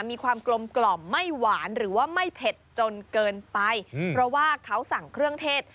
มีความกลมกล่อมไม่หวานหรือว่าไม่เผ็ดจนเกินไปเพราะว่าเขาสั่งเครื่องเทศ